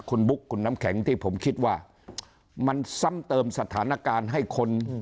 คุณบุ๊คคุณน้ำแข็งที่ผมคิดว่ามันซ้ำเติมสถานการณ์ให้คน